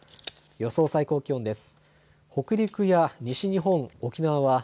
予想最高気温です。